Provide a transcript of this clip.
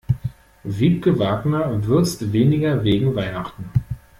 Wiebke Wagner würzt weniger wegen Weihnachten.